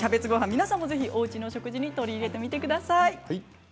皆さんもぜひおうちの食事に取り入れてみてください。